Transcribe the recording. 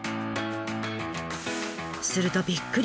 するとびっくり！